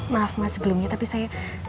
maaf maaf sebelumnya tapi saya